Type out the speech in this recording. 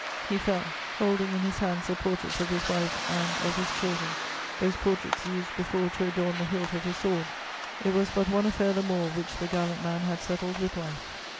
He fell, holding in his hands the portraits of his wife and of his children: those portraits used before to adorn the hilt of his sword. It was but one affair the more which the gallant man had settled with life.